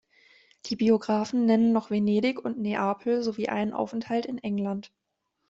Die Biografen nennen noch Venedig und Neapel sowie einen Aufenthalt in England.